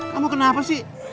kamu kenapa sih